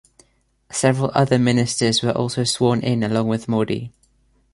Several other ministers were also sworn in along with Modi.